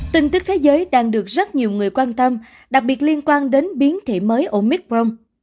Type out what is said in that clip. tình tức thế giới đang được rất nhiều người quan tâm đặc biệt liên quan đến biến thể mới omicron